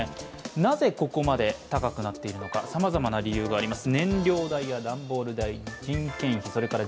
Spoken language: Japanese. なぜ、ここまで高くなっているのかさまざまな理由があります。